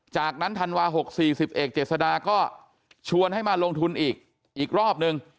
จากนั้นธันวา๖๔๐เอกเจษดาก็ชวนให้มาลงทุนอีกอีกรอบนึง